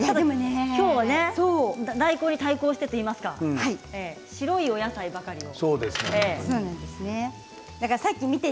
今日は大根に対抗してといいますか白いお野菜ばかりを。